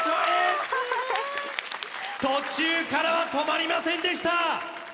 途中からは止まりませんでした